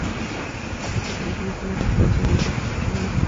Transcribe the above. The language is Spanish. Se dice que se originó con la recaudación de impuestos por John Morton.